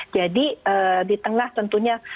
jadi di tengah tentunya